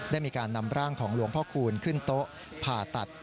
ได้มีการนำร่างของหลวงพ่อคูณขึ้นโต๊ะผ่าตัด